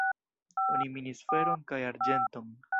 Oni minis feron kaj arĝenton.